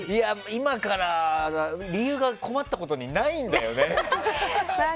理由が困ったことにないんだよね。